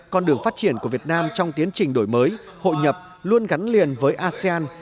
con đường phát triển của việt nam trong tiến trình đổi mới hội nhập luôn gắn liền với asean